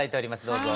どうぞ。